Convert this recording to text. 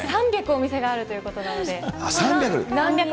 お店があるということ３００？